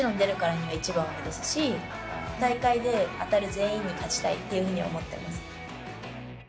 大会で当たる全員に勝ちたいっていうふうに思ってます。